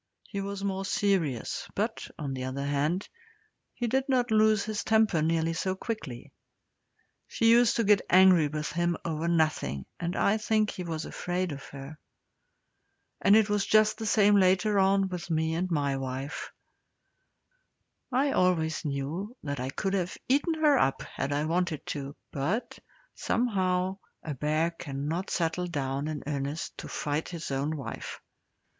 He was more serious, but, on the other hand, he did not lose his temper nearly so quickly. She used to get angry with him over nothing, and I think he was afraid of her. And it was just the same later on with me and my wife. I always knew that I could have eaten her up had I wanted to, but, somehow, a bear cannot settle down in earnest to fight his own wife.